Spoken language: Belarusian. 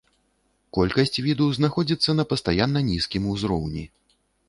Колькасць віду знаходзіцца на пастаянна нізкім узроўні.